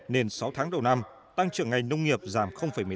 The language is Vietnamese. nên sáu tháng đầu năm tăng trưởng ngành nông nghiệp giảm một mươi năm